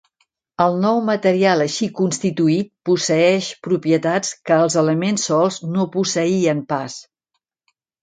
El nou material així constituït posseeix propietats que els elements sols no posseïen pas.